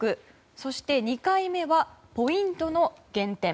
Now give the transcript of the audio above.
そして２回目はポイントの減点。